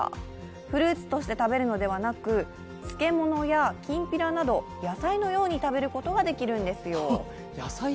フルーツとして食べるのではなく、漬物やきんぴらなど、野菜のように食べることができるんですよ。